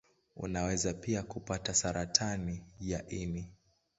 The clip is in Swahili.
Unaweza pia kupata saratani ya ini.